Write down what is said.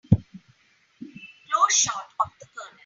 Close shot of the COLONEL.